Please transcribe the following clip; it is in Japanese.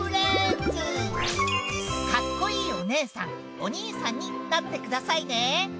かっこいいお姉さんお兄さんになってくださいね。